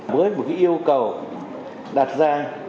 với một yêu cầu đặt ra